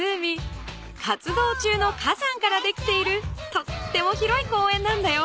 とっても広い公園なんだよ。